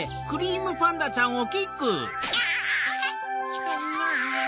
クリームパンダちゃん。